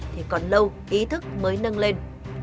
thì còn lâu ý thức mới nâng lên